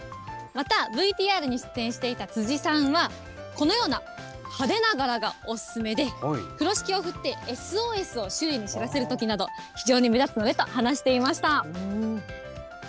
また、ＶＴＲに出演していた辻さんは、このような派手な柄がお勧めで、風呂敷を振って、ＳＯＳを周囲に知らせるときなど、非常に目立つのでと話していました。